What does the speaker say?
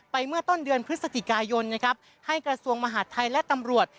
ไปเมื่อต้นเดือนพฤศกิกายนให้กระทรวงมหาธัยและตำรวจ